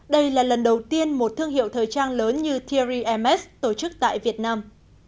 đây là lần đầu tiên một thương hiệu thời trang lớn như terry ms tổ chức tại việt nam